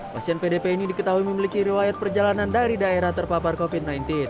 pasien pdp ini diketahui memiliki riwayat perjalanan dari daerah terpapar covid sembilan belas